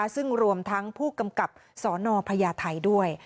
ซึ่งรวมทั้งผู้กำกับสนพญาไทยด้วย